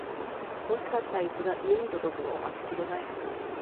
欲しかったイスが家に届くのを待ちきれない